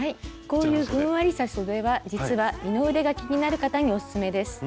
こういうふんわりしたそでは実は二の腕が気になる方におすすめです。